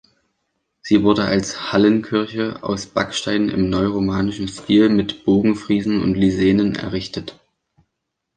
Sie wurde als Hallenkirche aus Backstein im neuromanischen Stil mit Bogenfriesen und Lisenen errichtet.